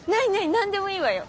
何でもいいわよ。